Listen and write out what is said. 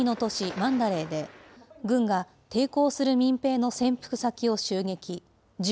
マンダレーで、軍が抵抗する民兵の潜伏先を襲撃。